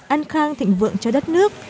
ăn khang thịnh vượng cho đất nước